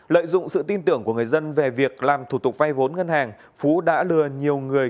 lợi dụng sự tin tưởng của người dân về việc làm thủ tục vay vốn ngân hàng phú đã lừa nhiều người